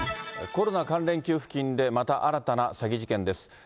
コロナ関連給付金で、また新たな詐欺事件です。